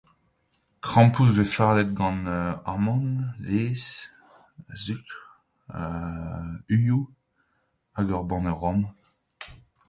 Krampouezh 'vez fardet gant amann, laezh, sukr ha uioù hag ur banne rom.